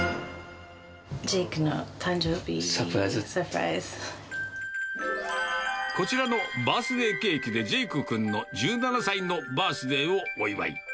ジェイクの誕生日、サプライこちらのバースデーケーキで、ジェイク君の１７歳のバースデーをお祝い。